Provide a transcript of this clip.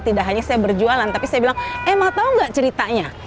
tidak hanya saya berjualan tapi saya bilang eh mah tahu nggak ceritanya